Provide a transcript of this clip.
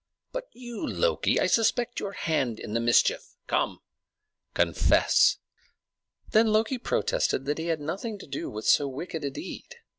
But look you, Loki: I suspect your hand in the mischief. Come, confess." Then Loki protested that he had nothing to do with so wicked a deed.